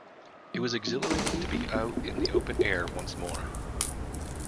It was exhilarating to be out in the open air once more.